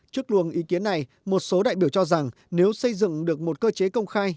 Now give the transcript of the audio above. trước luồng ý kiến này một số đại biểu cho rằng nếu xây dựng được một cơ chế công khai